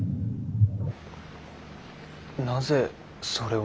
なぜそれを？